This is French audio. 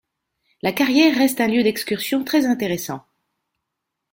La carrière reste un lieu d'excursion très intéressant.